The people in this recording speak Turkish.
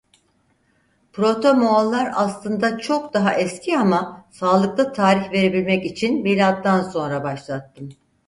Proto-Moğollar aslında çok daha eski ama sağlıklı tarih verebilmek için milattan sonra başlattım.